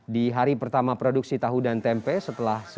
di hari pertama produksi tahu dan tempe